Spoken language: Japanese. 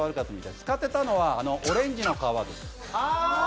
使ってたのはオレンジの皮です。